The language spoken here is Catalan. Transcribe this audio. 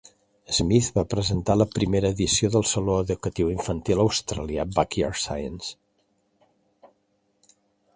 Smith va presentar la primera edició del saló educatiu infantil australià "Backyard Science".